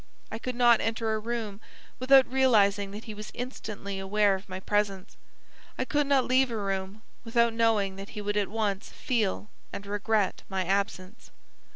I could not enter a room without realising that he was instantly aware of my presence; I could not leave a room without knowing that he would at once feel and regret my absence.